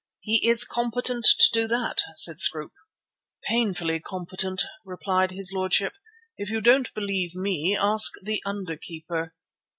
"He is competent to do that," said Scroope. "Painfully competent," replied his lordship. "If you don't believe me, ask the under keeper."